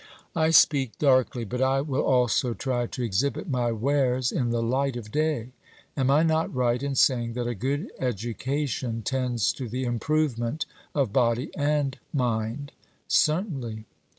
I speak darkly, but I will also try to exhibit my wares in the light of day. Am I not right in saying that a good education tends to the improvement of body and mind? 'Certainly.'